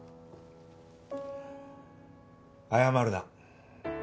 謝るな。